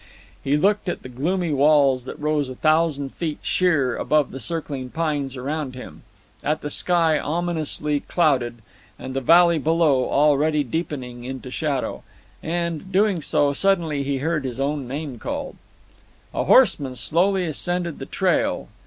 He looked at the gloomy walls that rose a thousand feet sheer above the circling pines around him; at the sky, ominously clouded; at the valley below, already deepening into shadow. And, doing so, suddenly he heard his own name called. A horseman slowly ascended the trail.